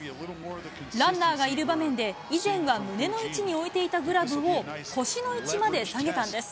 ランナーがいる場面で、以前は胸の位置に置いていたグラブを、腰の位置まで下げたんです。